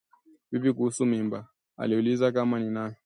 Vipi kuhusu mimba ? Aliuliza kama ninayo